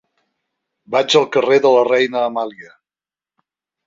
Vaig al carrer de la Reina Amàlia.